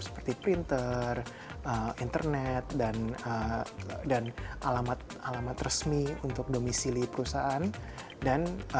seperti printer internet dan alamat resmi untuk domisili perusahaan